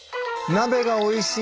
鍋がおいしい